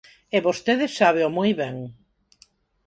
E vostede sábeo moi ben.